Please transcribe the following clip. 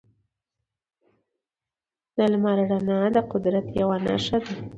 د لمر رڼا د قدرت یوه نښه ده.